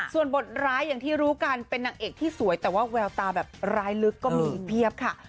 ส่วนบทร้ายอย่างที่รู้กันเป็นนางเอกที่สวยแต่ว่าแววตาแบบร้ายลึกก็มีเพียบค่ะ